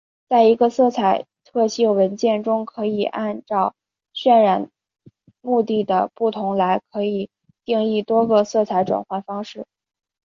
在一个色彩特性文件中可以按照渲染目的的不同来可以定义多个色彩转换方式。